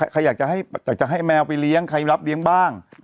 ใครอยากจะให้แมวไปเลี้ยงใครรับเลี้ยงบ้าง